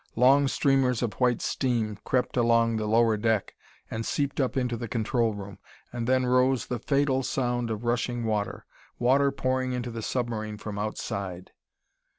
Long streamers of white steam crept along the lower deck and seeped up into the control room. And then rose the fatal sound of rushing water water pouring into the submarine from outside!